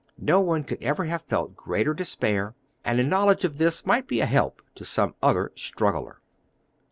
No one could ever have felt greater despair, and a knowledge of this might be a help to some other struggler."